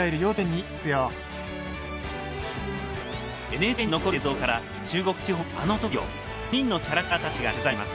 ＮＨＫに残る映像から中国地方のあのときを４人のキャラクターたちが取材しています。